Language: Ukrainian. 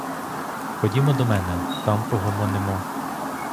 Ходімо до мене, там погомонимо.